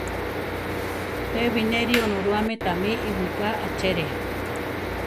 Pe bineri Onorúame tamí iwigá achere.